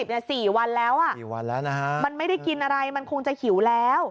๑๘๑๙๒๐เนี่ย๔วันแล้วมันไม่ได้กินอะไรมันคงจะหิวแล้ว